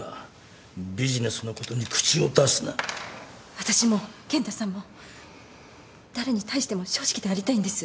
私も健太さんも誰に対しても正直でありたいんです。